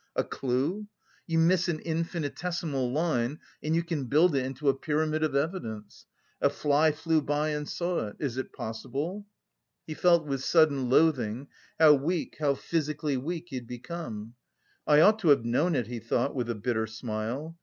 A clue? You miss an infinitesimal line and you can build it into a pyramid of evidence! A fly flew by and saw it! Is it possible?" He felt with sudden loathing how weak, how physically weak he had become. "I ought to have known it," he thought with a bitter smile.